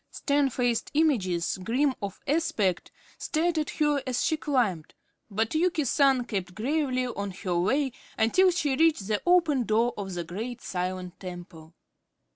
Stern faced images, grim of aspect, stared at her as she climbed, but Yuki San kept gravely on her way until she reached the open door of the great silent temple.